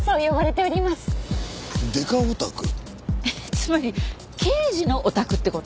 つまり刑事のオタクって事？